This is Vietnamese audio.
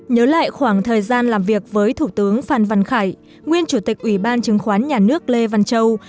nhớ lại khoảng thời gian làm việc với thủ tướng phan văn khải nguyên chủ tịch ủy ban chứng khoán nhà nước lê văn châu